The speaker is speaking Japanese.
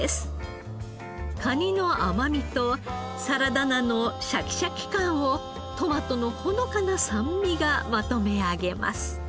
カニの甘みとサラダ菜のシャキシャキ感をトマトのほのかな酸味がまとめ上げます。